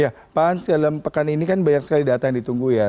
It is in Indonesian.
ya pak hans dalam pekan ini kan banyak sekali data yang ditunggu ya